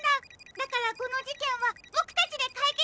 だからこのじけんはボクたちでかいけつしようよ！